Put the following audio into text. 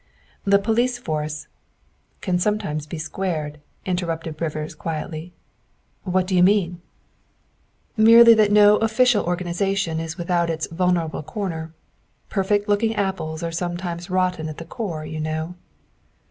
The police force " Can sometimes be squared," interrupted Rivers quietly. " What do you mean?" 198 THE WIFE OF " Merely that no official organization is without its vulnerable corner. Perfect looking apples are some times rotten at the core, you know."